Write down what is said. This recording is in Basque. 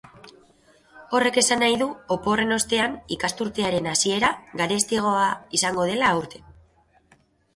Horrek esan nahi du oporren ostean ikasturtearen hasiera garestiagoa izango dela aurten.